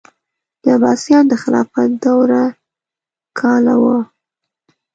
د عباسیانو د خلافت دوره کاله وه.